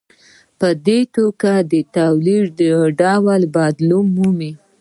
په دې توګه د تولید ډول بدلون مومي.